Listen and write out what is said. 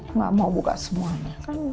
enggak mau buka semuanya